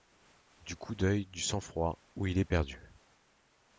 Du coup d’œil, du sang-froid, ou il est perdu!